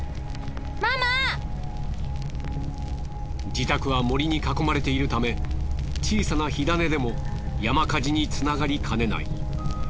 自宅は森に囲まれているため小さな火種でも山火事につながりかねない。